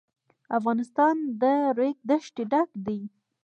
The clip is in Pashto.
افغانستان له د ریګ دښتې ډک دی.